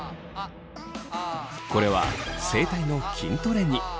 これは声帯の筋トレに。